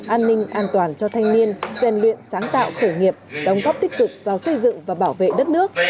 an ninh an toàn cho thanh niên gian luyện sáng tạo khởi nghiệp đóng góp tích cực vào xây dựng và bảo vệ đất nước